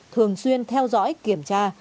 thường xuyên theo dõi kiểm tra